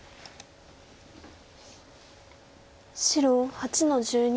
白８の十二。